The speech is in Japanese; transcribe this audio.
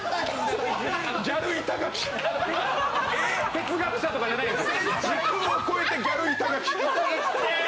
哲学者とかじゃないです。